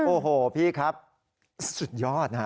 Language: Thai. โอ้โหพี่ครับสุดยอดนะฮะ